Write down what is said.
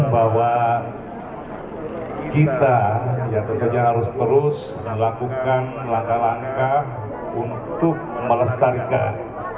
bahwa kita ya tentunya harus terus melakukan langkah langkah untuk melestarikan